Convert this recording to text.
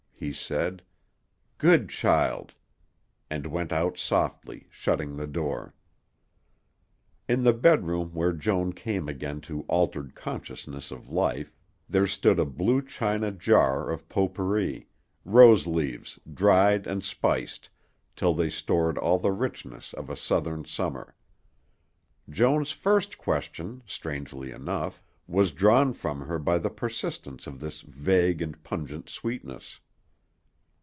he said. "Good child!" And went out softly, shutting the door. In the bedroom where Joan came again to altered consciousness of life, there stood a blue china jar of potpourri, rose leaves dried and spiced till they stored all the richness of a Southern summer. Joan's first question, strangely enough, was drawn from her by the persistence of this vague and pungent sweetness.